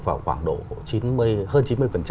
vào khoảng độ hơn chín mươi